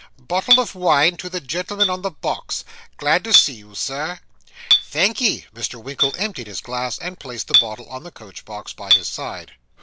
'Bottle of wine to the gentleman on the box. Glad to see you, Sir.' 'Thank'ee.' Mr. Winkle emptied his glass, and placed the bottle on the coach box, by his side.